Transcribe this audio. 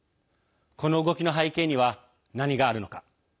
この動きの背景には何があるのか。